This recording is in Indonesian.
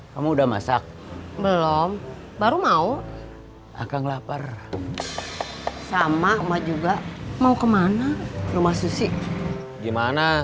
kamu udah masak belum baru mau akan lapar sama emak juga mau kemana rumah susi gimana